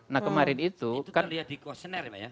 nah kemarin itu itu terlihat di questionnaire ya pak ya